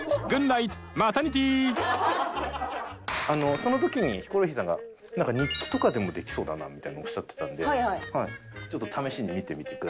その時にヒコロヒーさんがなんか日記とかでもできそうだなみたいにおっしゃってたんでちょっと試しに見てみてください。